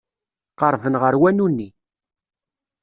Qerrben ɣer wanu-nni.